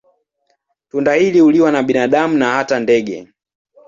Tunda hili huliwa na binadamu na hata ndege.